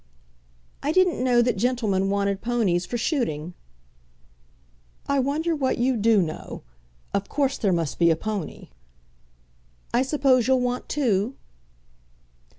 "I didn't know that gentlemen wanted ponies for shooting." "I wonder what you do know? Of course there must be a pony." "I suppose you'll want two?"